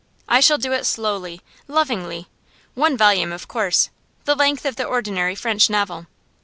I shall do it slowly, lovingly. One volume, of course; the length of the ordinary French novel.